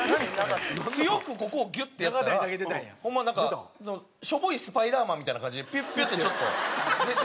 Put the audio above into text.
強くここをギュッてやったらホンマなんかしょぼいスパイダーマンみたいな感じでピュッピュッてちょっと出て。